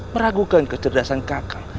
meragukan kecerdasan kakak